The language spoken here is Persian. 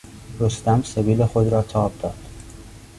رستم سبیل خود را تاب داد.